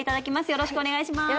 よろしくお願いします。